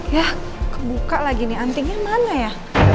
ya kebuka lagi nih antingnya mana ya